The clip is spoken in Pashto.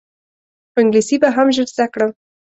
خو انګلیسي به هم ژر زده کړم.